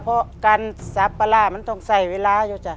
เพราะการสับปลาร่ามันต้องใส่เวลาอยู่จ้ะ